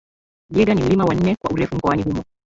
Jaeger ni mlima wa nne kwa urefu mkoani humo